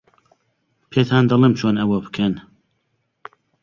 پێتان دەڵێم چۆن ئەوە بکەن.